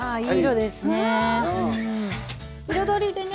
彩りでね